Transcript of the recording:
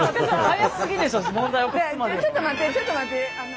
ちょっと待ってちょっと待って。